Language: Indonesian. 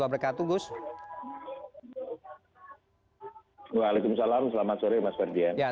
waalaikumsalam selamat sore mas ferdian